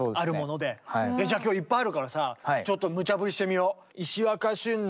じゃあ今日いっぱいあるからさちょっとむちゃ振りしてみよう。